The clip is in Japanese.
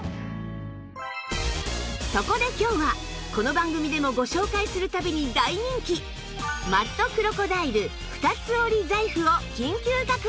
そこで今日はこの番組でもご紹介する度に大人気マットクロコダイル二つ折り財布を緊急確保！